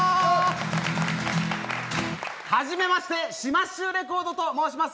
はじめまして、シマッシュレコードと申します！